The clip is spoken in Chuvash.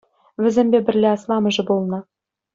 Вӗсемпе пӗрле асламӑшӗ пулнӑ.